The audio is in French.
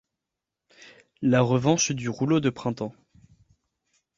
La revanche du rouleau de printemps.